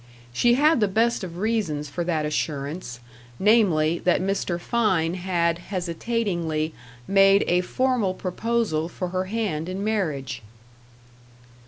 She had the best of reasons for that assurance, namely, that Mr. Fein had hesitatingly made a formal proposal for her hand in marriage.